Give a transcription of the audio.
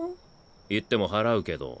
言っても祓うけど。